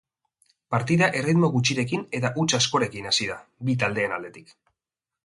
Partida erritmo gutxirekin eta huts askorekin hasi da bi taldeen aldetik.